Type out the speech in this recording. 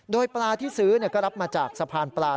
โดยปลาที่ซื้อก็รับมาจากสะพานปลา